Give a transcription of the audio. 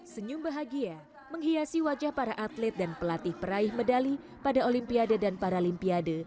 senyum bahagia menghiasi wajah para atlet dan pelatih peraih medali pada olimpiade dan paralimpiade